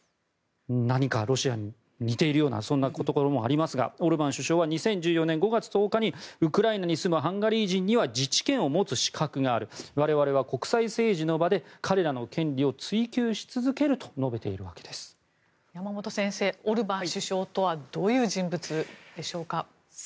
何かロシアに似ているようなそんなところもありますがオルバン首相は２０１４年５月１０日にウクライナに住むハンガリー人には自治権を持つ資格がある我々は国際政治の場で彼らの権利を追求し続けると山本先生オルバン首相とはどういう人物でしょうか？